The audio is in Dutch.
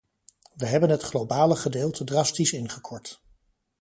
Wij hebben het globale gedeelte drastisch ingekort.